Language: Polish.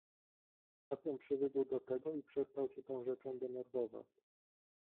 "Z czasem przywykł do tego i przestał się tą rzeczą denerwować."